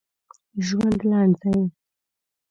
ژوند لنډ دی.